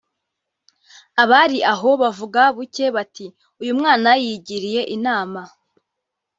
Abari aho bavuga buke bati "Uyu mwana yigiriye inama